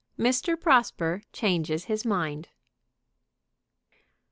MR. PROSPER CHANGES HIS MIND.